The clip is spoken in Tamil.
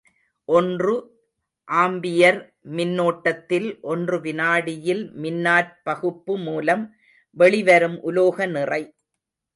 ஒன்று ஆம்பியர் மின்னோட்டத்தில் ஒன்று வினாடியில் மின்னாற்பகுப்பு மூலம் வெளிவரும் உலோக நிறை.